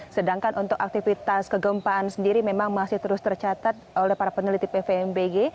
sedangkan untuk aktivitas kegempaan sendiri memang masih terus tercatat oleh para peneliti pvmbg